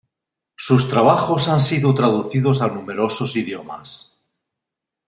Sus trabajos han sido traducidos a numerosos idiomas.